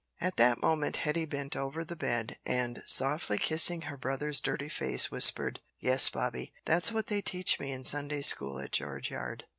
At that moment Hetty bent over the bed, and, softly kissing her brother's dirty face, whispered, "Yes, Bobby, that's what they teach me in Sunday school at George Yard."